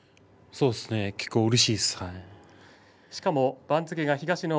そうですねうれしいです。